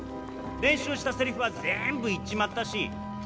練習したセリフは全部言っちまったし。